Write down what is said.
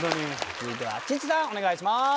続いてはチッチさんお願いします。